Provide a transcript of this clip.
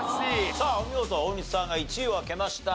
さあお見事大西さんが１位を開けました。